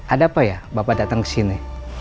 ada apa ya bapak datang kesini